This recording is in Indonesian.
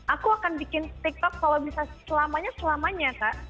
aku akan bikin tiktok kalau bisa selamanya selamanya kak